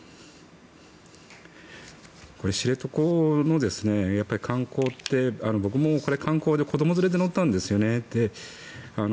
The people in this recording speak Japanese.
知床の観光って僕もこれ、観光で子ども連れて乗ったんですよね。